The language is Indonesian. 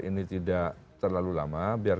ini tidak terlalu lama biar